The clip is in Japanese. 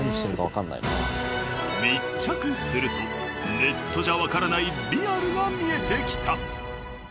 密着するとネットじゃわからないリアルが見えてきた。